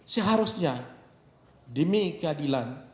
seharusnya demi keadilan